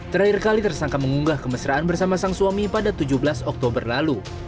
terakhir kali tersangka mengunggah kemesraan bersama sang suami pada tujuh belas oktober lalu